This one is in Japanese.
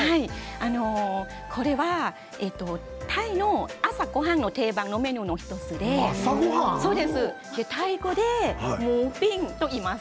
これはタイの朝ごはんの定番のメニューの１つでタイ語でビンといいます。